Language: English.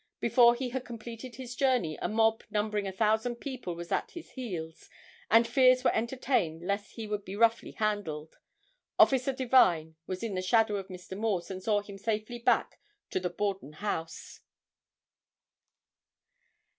Before he had completed his journey a mob numbering a thousand people was at his heels and fears were entertained less he would be roughly handled. Officer Devine was in the shadow of Mr. Morse and saw him safely back to the Borden house.